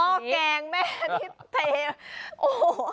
แกงแม่ที่เทโอ้โห